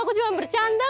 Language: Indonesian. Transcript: aku cuma bercanda